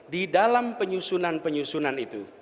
di dalam penyusunan penyusunan itu